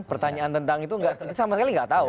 pertanyaan tentang itu sama sekali nggak tahu